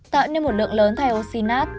tạo nên một lượng lớn thaiosinat